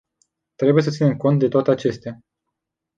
Trebuie să ținem cont de toate acestea.